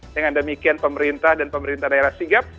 dengan demikian pemerintah dan pemerintah daerah sigap